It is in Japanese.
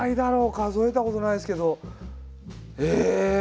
数えたことないですけど。